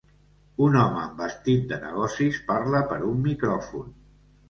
Un home amb vestit de negocis parla per un micròfon.